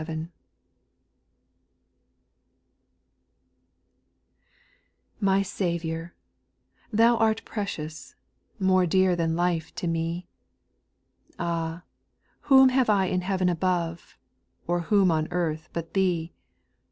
llfY Saviour I Thou art precious, more dear ilL than life to me. Ah I whom have I in heaven above, or whom on earth but Thee